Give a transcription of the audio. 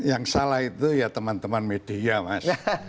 yang salah itu ya teman teman media mas